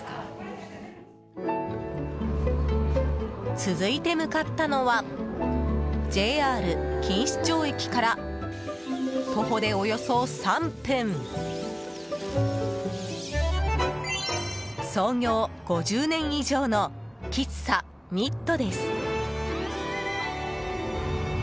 続いて向かったのはＪＲ錦糸町駅から徒歩でおよそ３分創業５０年以上の「喫茶ニット」です。